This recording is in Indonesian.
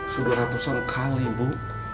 sudah ratusan kali bu